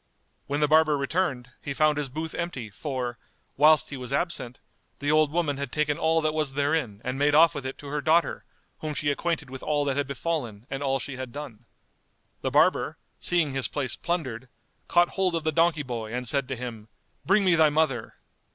When the barber returned, he found his booth empty, for, whilst he was absent, the old woman had taken all that was therein and made off with it to her daughter, whom she acquainted with all that had befallen and all she had done. The barber, seeing his place plundered, caught hold of the donkey boy and said to him, "Bring me thy mother."